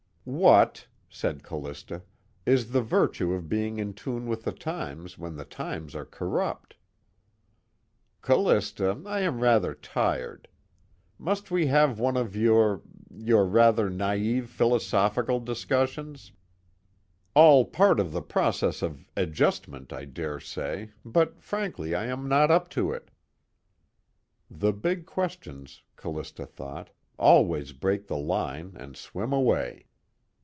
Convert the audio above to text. "What," said Callista, "is the virtue of being in tune with the times when the times are corrupt?" "Callista, I am rather tired. Must we have one of your your rather naïve philosophical discussions? All part of the process of adjustment I dare say, but frankly I am not up to it." The big questions, Callista thought, always break the line and swim away.